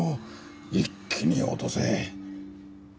一気に落とせ。